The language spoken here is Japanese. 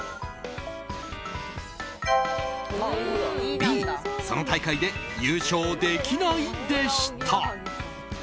Ｂ、その大会で優勝できないでした。